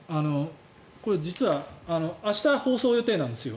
これ、実は明日放送予定なんですよ。